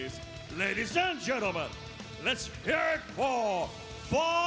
สวัสดีครับทุกคน